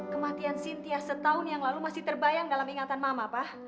kematian sintia setahun yang lalu masih terbayang dalam ingatan mama pak